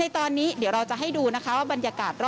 ตอนนี้เดี๋ยวเราจะให้ดูนะคะว่าบรรยากาศรอบ